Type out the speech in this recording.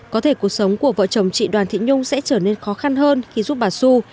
có thể cuộc sống của vợ chồng chị đoàn thị nhung sẽ trở nên khó khăn hơn khi giúp bà su